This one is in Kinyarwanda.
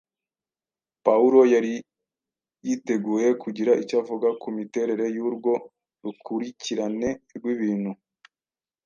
Pawulo yari yiteguye kugira icyo avuga ku miterere y’urwo rukurikirane rw’ibintu